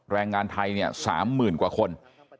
แรงงานไทยเนี่ย๓๐๐๐กว่าคน